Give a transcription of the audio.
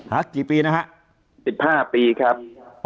กี่ปีนะฮะ๑๕ปีครับ